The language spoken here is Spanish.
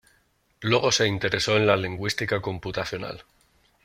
Luego se interesó en la lingüística computacional.